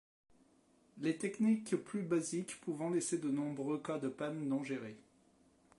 Les techniques plus basiques pouvant laisser de nombreux cas de pannes non gérés.